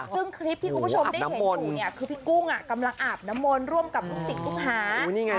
ซึ่งคลิปที่คุณผู้ชมได้เห็นอยู่เนี่ยคือพี่กุ้งกำลังอาบน้ำมนต์ร่วมกับลูกศิษย์ลูกหา